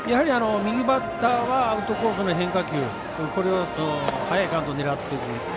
右バッターはアウトコースの変化球これを早いカウントで狙っていく。